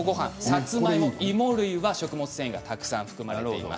さつまいも芋類は食物繊維がたくさん含まれています。